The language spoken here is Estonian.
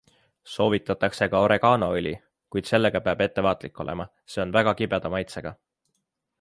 Soovitatakse ka oreganoõli, kuid sellega peab ettevaatlik olema - see on väga kibeda maitsega.